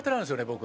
僕。